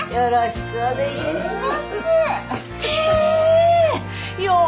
よろしくお願いします。